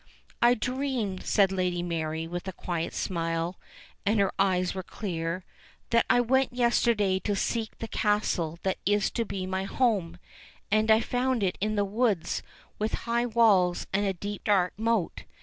"I dreamed," said Lady Mary, with a quiet smile, and her eyes were clear, "that I went yesterday to seek the castle that is to be my home, and I found it in the woods with high walls and a deep dark moat.